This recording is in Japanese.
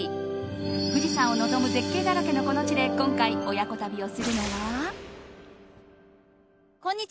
富士山を望む絶景だらけのこの地で今回、親子旅をするのは。